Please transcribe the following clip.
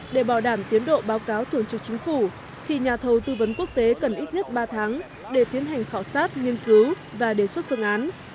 để bảo đảm tiến độ báo cáo thường trực chính phủ thì nhà thầu tư vấn quốc tế cần ít nhất ba tháng để tiến hành khảo sát nghiên cứu và đề xuất phương án